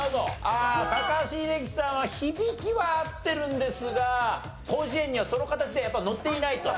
ああ高橋英樹さんは響きは合ってるんですが『広辞苑』にはその形で載っていないと。